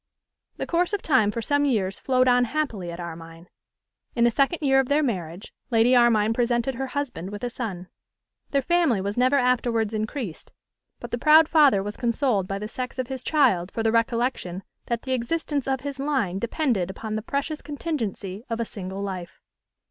The course of time for some years flowed on happily at Armine. In the second year of their marriage Lady Armine presented her husband with a son. Their family was never afterwards increased, but the proud father was consoled by the sex of his child for the recollection that the existence of his line depended upon the precious contingency of a single life.